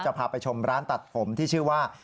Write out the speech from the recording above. พาไปชมร้านตัดผมที่ชื่อว่า